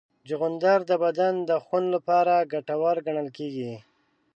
چغندر د بدن د خون لپاره ګټور ګڼل کېږي.